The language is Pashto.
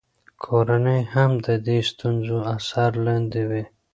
کورنۍ هم د دې ستونزو اثر لاندې وي.